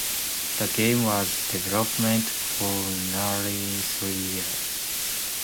The game was in development for nearly three years.